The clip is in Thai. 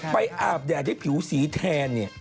อาบแดดให้ผิวสีแทนเนี่ย